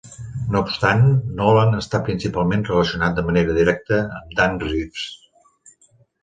No obstant, Nolan està principalment relacionat de manera directa amb Dan Reeves.